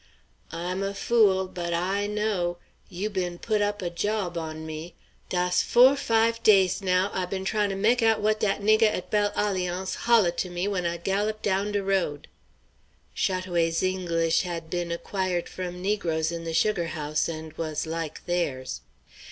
"I'm a fool, but I know. You been put op a jawb on me. Dass four, five days now I been try to meck out what dat niggah at Belle Alliance holla to me when I gallop down de road." (Chat oué's English had been acquired from negroes in the sugar house, and was like theirs.)